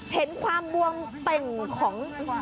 เห็นความบวมเป่งของ